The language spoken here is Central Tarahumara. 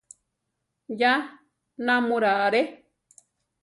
Ya námura are!